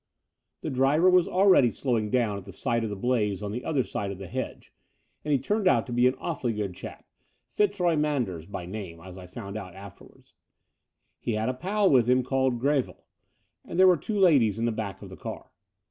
The driver was already slowing down at the sight of the blaze on the other side of the hedge ; and he turned out to be an awfully good chap — Fitzroy Manders by name, as I found out afterwards. He had a pal with him called Greville : and there were two ladies in the back of the car.